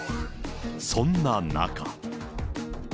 そんな中。